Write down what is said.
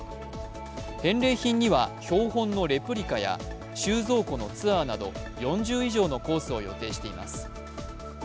返礼品には標本のレプリカや収蔵庫のツアーなど、４０以上のコースを予定しています。